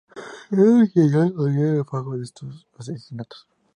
Luego, intentó reunir el pago de estos asesinatos.